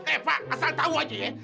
eh pak asal tahu saja ya